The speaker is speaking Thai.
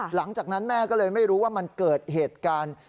หลังจากนั้นแม่ก็เลยไม่รู้ว่ามันเกิดเหตุการณ์